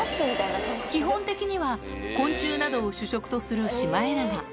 基本的には、昆虫などを主食とするシマエナガ。